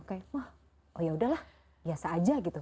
wah oh yaudahlah biasa aja gitu